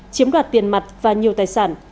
chiếm đoạt tiền mặt và nhiều tài sản